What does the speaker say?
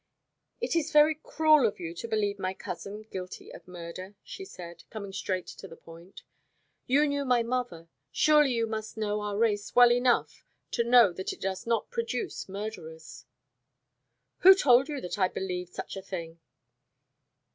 "It is very cruel of you to believe my cousin guilty of murder," she said, coming straight to the point. "You knew my mother. Surely you must know our race well enough to know that it does not produce murderers." "Who told you that I believed such a thing?"